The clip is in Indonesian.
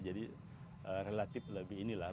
jadi relatif lebih ini lah